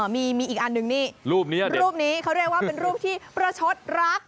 มีอีกอันนึงนี่รูปนี้รูปนี้เขาเรียกว่าเป็นรูปที่ประชดรัก